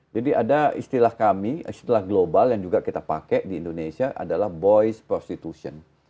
jadi ada istilah kami istilah global yang juga kita pakai di indonesia adalah boys prostitution